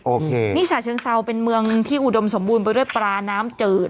โอเคนี่ฉะเชิงเซาเป็นเมืองที่อุดมสมบูรณ์ไปด้วยปลาน้ำจืด